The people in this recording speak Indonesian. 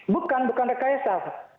bukan bukan rekayasa